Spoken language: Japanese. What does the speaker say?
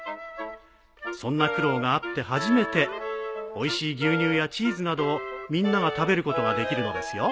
そんな苦労があって初めておいしい牛乳やチーズなどをみんなが食べることができるのですよ。